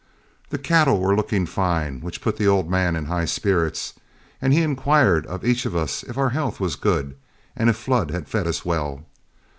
The cattle were looking fine, which put the old man in high spirits, and he inquired of each of us if our health was good and if Flood had fed us well.